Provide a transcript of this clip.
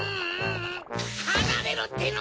はなれろっての！